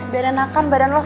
biar enakan badan lo